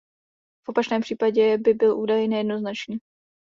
V opačném případě by byl údaj nejednoznačný.